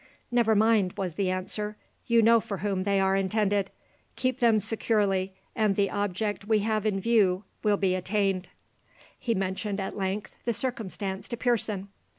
"Never mind," was the answer, "you know for whom they are intended. Keep them securely, and the object we have in view will be attained." He mentioned, at length, the circumstance to Pearson.